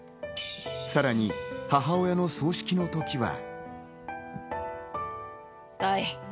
さらに母親の葬式の時は。